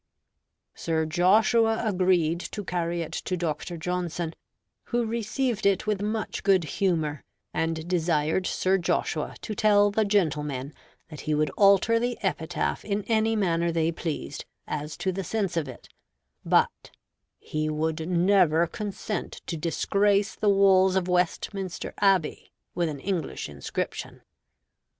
"Sir Joshua agreed to carry it to Dr. Johnson, who received it with much good humor, and desired Sir Joshua to tell the gentlemen that he would alter the Epitaph in any manner they pleased, as to the sense of it; but he would never consent to disgrace the walls of Westminster Abbey with an English inscription.